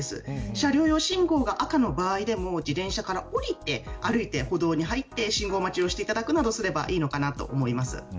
車両用信号が赤の場合でも自転車から降りて歩いて、歩道に入って信号待ちすればいいと思います。